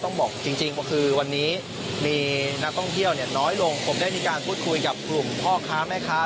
บอกจริงว่าคือวันนี้มีนักท่องเที่ยวน้อยลงผมได้มีการพูดคุยกับกลุ่มพ่อค้าแม่ค้า